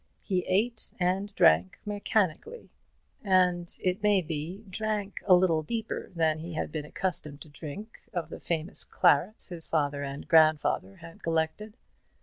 He ate and drank mechanically; and it may be drank a little deeper than he had been accustomed to drink of the famous clarets his father and grandfather had collected.